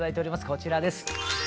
こちらです。